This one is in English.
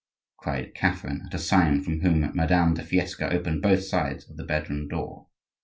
cried Catherine, at a sign from whom Madame de Fiesque opened both sides of the bedroom door.